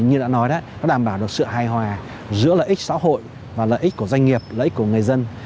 như đã nói đó nó đảm bảo được sự hài hòa giữa lợi ích xã hội và lợi ích của doanh nghiệp lợi ích của người dân